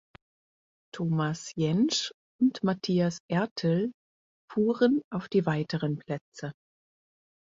Thomas Jaensch und Mathias Ertel fuhren auf die weiteren Plätze.